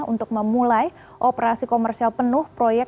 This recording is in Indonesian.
untuk memulai operasi komersial penuh proyek